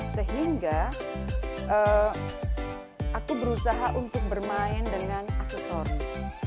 sehingga aku berusaha untuk bermain dengan aksesori